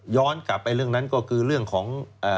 กลับไปเรื่องนั้นก็คือเรื่องของ